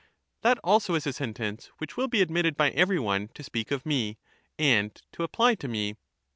That also is a sentence which will be admitted by every one to speak of me, and to apply to me.